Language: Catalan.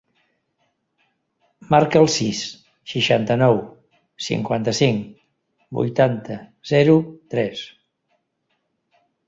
Marca el sis, seixanta-nou, cinquanta-cinc, vuitanta, zero, tres.